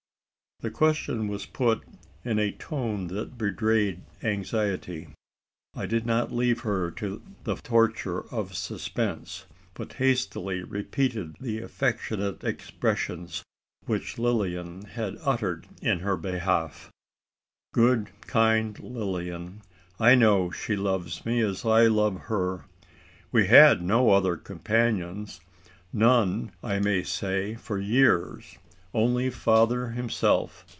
The question was put in a tone that betrayed anxiety. I did not leave her to the torture of suspense; but hastily repeated the affectionate expressions which Lilian had uttered in her behalf. "Good kind Lil! I know she loves me as I love her we had no other companions none I may say for years, only father himself.